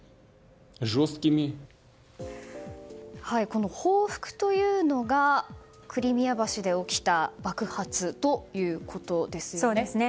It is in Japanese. この報復というのがクリミア橋で起きた爆発ということですよね。